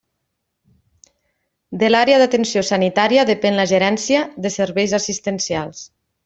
De l'Àrea d'Atenció Sanitària depèn la Gerència de Serveis Assistencials.